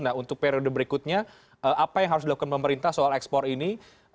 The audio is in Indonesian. nah untuk periode berikutnya apa yang harus dilakukan pemerintah soal ekspor ini